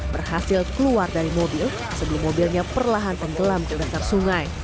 berhasil keluar dari mobil sebelum mobilnya perlahan tenggelam ke dasar sungai